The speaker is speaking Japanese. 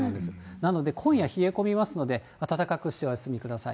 なので、今夜冷え込みますので、暖かくしてお休みください。